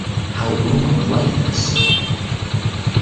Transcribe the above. How Uma would like this!